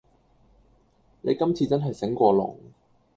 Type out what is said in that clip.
你今次真係醒過龍